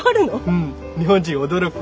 うん日本人驚く。